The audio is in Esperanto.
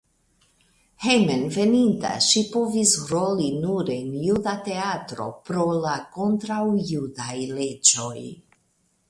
Hejmenveninta ŝi povis roli nur en juda teatro pro la kontraŭjudaj leĝoj.